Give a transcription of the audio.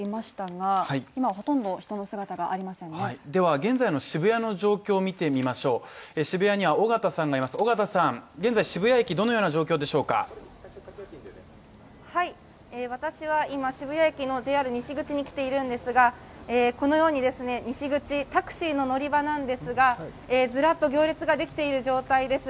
現在の渋谷の状況を見てみましょう私は今渋谷駅のＪＲ西口に来ているんですがこのようにですね、西口タクシーの乗り場なんですがずらっと行列ができている状態です